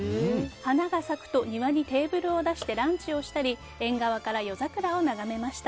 花が咲くと庭にテーブルを出してランチをしたり縁側から夜桜を眺めました。